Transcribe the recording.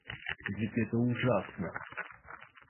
Ведь это ужасно!